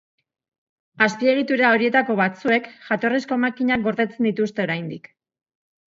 Azpiegitura horietako batzuek jatorrizko makinak gordetzen dituzte oraindik.